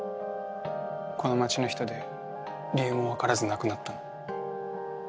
この町の人で理由もわからず亡くなったの。